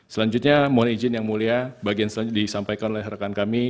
selanjutnya mohon izin yang mulia bagian disampaikan oleh rekan kami